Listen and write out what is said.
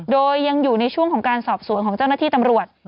โดยยังอยู่ในช่วงของการสอบสวนของเจ้าหน้าที่ตำรวจ